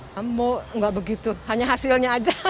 kamu nggak begitu hanya hasilnya aja